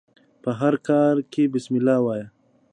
په هر کار کښي بسم الله وايه!